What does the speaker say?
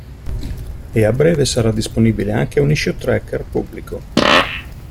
E a breve sarà disponibile anche un issue tracker pubblico.